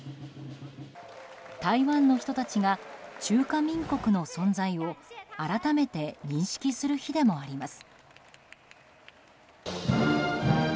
台湾の人たちが中華民国の存在を改めて認識する日でもあります。